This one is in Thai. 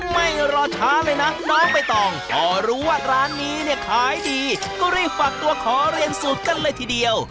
ไม่รอช้าเลยนะน้องใบตองพอรู้ว่าร้านนี้เนี่ยขายดีก็รีบฝากตัวขอเรียนสูตรกันเลยทีเดียว